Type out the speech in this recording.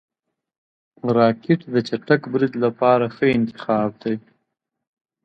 راکټ د چټک برید لپاره ښه انتخاب دی